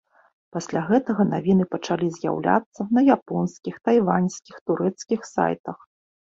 Пасля гэтага навіны пачалі з'яўляцца на японскіх, тайваньскіх, турэцкіх сайтах.